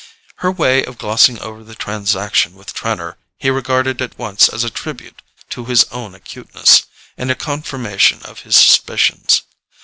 Her way of glossing over the transaction with Trenor he regarded at once as a tribute to his own acuteness, and a confirmation of his suspicions.